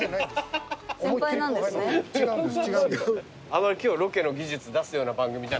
あまり今日ロケの技術出すような番組じゃないんです。